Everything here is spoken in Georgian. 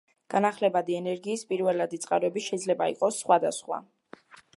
განახლებადი ენერგიის პირველადი წყაროები შეიძლება იყოს სხვადასხვა.